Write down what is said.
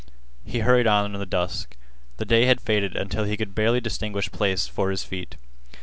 He hurried on in the dusk. The day had faded until he could barely distinguish place for his feet.